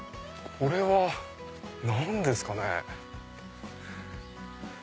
これは何ですかね？